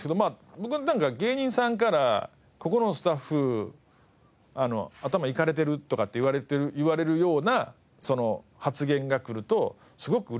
僕はなんか芸人さんから「ここのスタッフあたまイカれてる」とかって言われるような発言がくるとすごく嬉しくて。